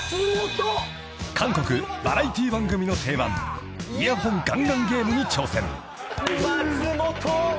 ［韓国バラエティー番組の定番イヤホンガンガンゲームに挑戦］